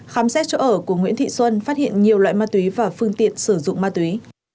khám xét chỗ ở của nguyễn thị xuân phát hiện nhiều loại ma túy và phương tiện sử dụng ma túy